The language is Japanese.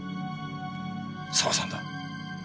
沢さんだ！